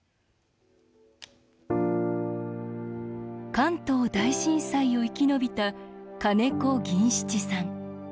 関東大震災を生き延びた金子銀七さん。